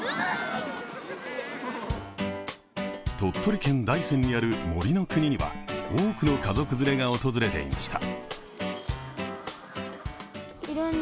鳥取県大山にある森の国には多くの家族連れが訪れていました。